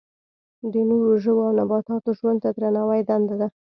د نورو ژویو او نباتاتو ژوند ته درناوی دنده ده.